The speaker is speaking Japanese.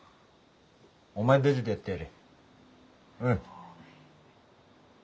お前たちでやってやれ。